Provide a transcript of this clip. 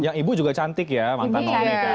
yang ibu juga cantik ya mantan om